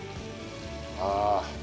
ああ。